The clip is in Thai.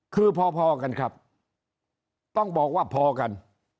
คือพอกันครับต้องบอกว่าพอกัน